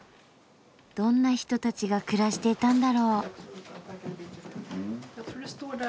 どんな人たちが暮らしていたんだろう？